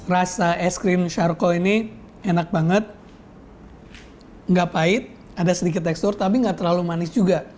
rasa es krim sharcoal ini enak banget nggak pahit ada sedikit tekstur tapi nggak terlalu manis juga